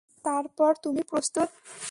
তারপর তুমি প্রস্তুত।